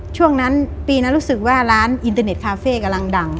ช่วงนั้นปีนั้นรู้สึกว่าร้านอินเตอร์เน็ตคาเฟ่กำลังดัง